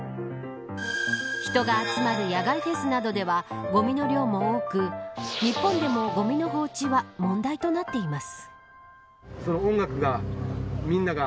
人が集まる野外フェスなどではごみの量も多く日本でも、ごみの放置は問題となっています。